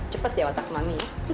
cepet ya otak mami ya